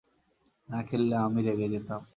না খেললে আমি রেগে যেতাম।